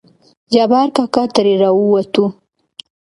جبار کاکا ترې راووتو.